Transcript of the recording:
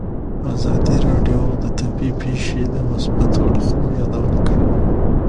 ازادي راډیو د طبیعي پېښې د مثبتو اړخونو یادونه کړې.